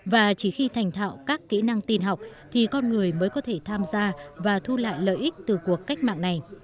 và chỉ khi thành thạo các kỹ năng tin học thì con người mới có thể tham gia và thu lại lợi ích từ cuộc cách mạng này